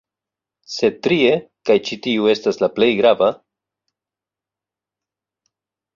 Sed trie, kaj ĉi tiu estas la plej grava